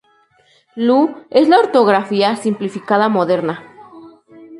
Lu es la ortografía simplificada moderna.